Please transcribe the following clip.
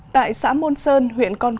tại xã môn sơn huyện công dân